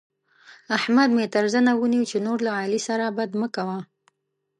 احمد مې تر زنه ونيو چې نور له علي سره بد مه کوه.